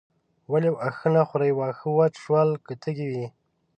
ولې واښه نه خورې واښه وچ شول که تږې یې.